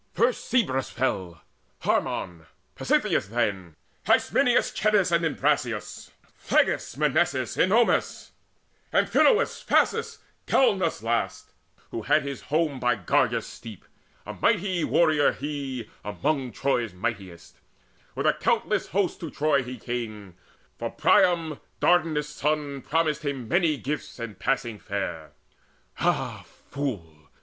First Cebrus fell, Harmon, Pasitheus then, Hysminus, Schedius, and Imbrasius, Phleges, Mnesaeus, Ennomus, Amphinous, Phasis, Galenus last, who had his home By Gargarus' steep a mighty warrior he Among Troy's mighties: with a countless host To Troy he came: for Priam Dardanus' son Promised him many gifts and passing fair. Ah fool!